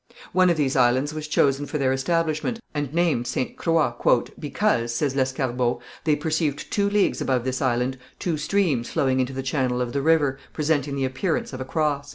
One of these islands was chosen for their establishment, and named Ste. Croix, "because," says Lescarbot, "they perceived two leagues above this island two streams flowing into the channel of the river, presenting the appearance of a cross."